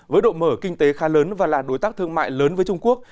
với độ mở kinh tế khá lớn và là đối tác thương mại lớn với trung quốc